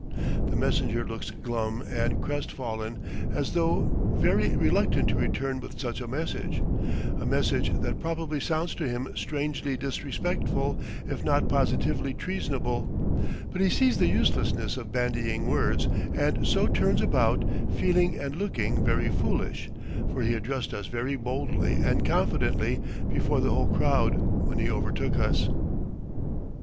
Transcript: The messenger looks glum and crestfallen, as though very reluctant to return with such a message, a message that probably sounds to him strangely disrespectful, if not positively treasonable; but he sees the uselessness of bandying words, and so turns about, feeling and looking very foolish, for he addressed us very boldly and confidently before the whole crowd when he overtook us.